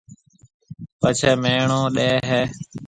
پڇيَ ميڻيو ڏَي ھيََََ